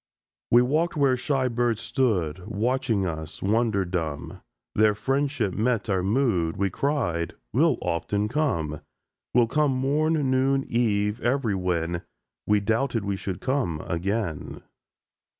We walked where shy birds stood Watching us, wonder dumb; Their friendship met our mood; We cried: "We'll often come: We'll come morn, noon, eve, everywhen!" —We doubted we should come again.